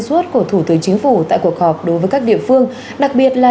theo thống kê của tổng cục đường bộ việt nam